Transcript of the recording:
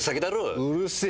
うるせえ！